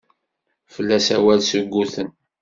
Fell-as awal suguten.